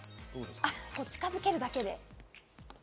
近づけるだけで。